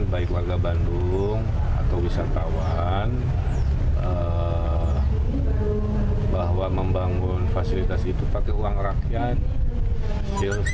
bahwa membangun fasilitasi itu pakai uang rakyat